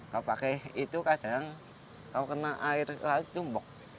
kau pakai itu kadang kau kena air air cumbok